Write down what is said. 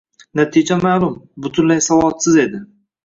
Natija ma`lum, butunlay savodsiz edi